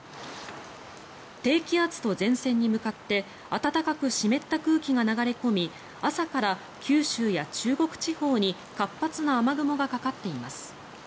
低気圧と前線に向かって暖かく湿った空気が流れ込み朝から九州や中国地方に活発な雨雲がかかっています。